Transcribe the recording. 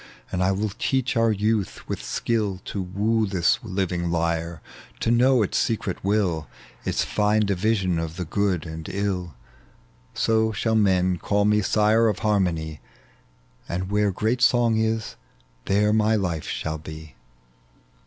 And I will teach our youth with skill to woo .tec bv Google THE LEGEND OF JUBAL. 21 This living lyre, to know ita secret will, Its fine division of the good and ill. So shall men call me sire of harmony, And where great Song is, there my life sball be."